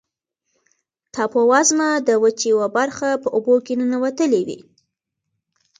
ټاپووزمه د وچې یوه برخه په اوبو کې ننوتلې وي.